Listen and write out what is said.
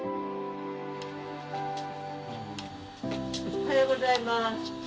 おはようございます。